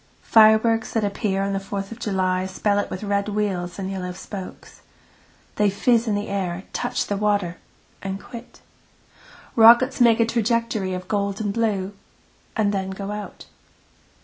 Fireworks at a pier on the Fourth of July spell it with red wheels and yellow spokes. They fizz in the air, touch the water and quit. Rockets make a trajectory of gold and blue and then go out.